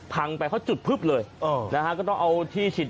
มันโดดแล้วหรอ